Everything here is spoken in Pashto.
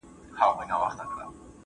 ملتونه به نړیوالي اړیکي پیاوړي کړي.